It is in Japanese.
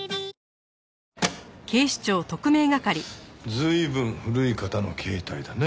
随分古い型の携帯だね。